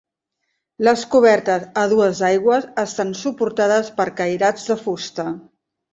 Les cobertes, a dues aigües, estan suportades per cairats de fusta.